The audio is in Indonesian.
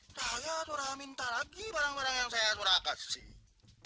ntar saya surah minta lagi barang barang yang saya surah kasih